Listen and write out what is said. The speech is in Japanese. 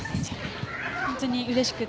本当にうれしくて。